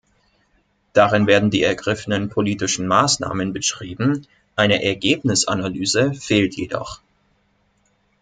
Darin werden die ergriffenen politischen Maßnahmen beschrieben, eine Ergebnisanalyse fehlt jedoch.